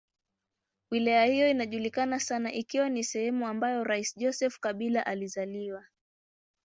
Wilaya hiyo inajulikana sana ikiwa ni sehemu ambayo rais Joseph Kabila alizaliwa.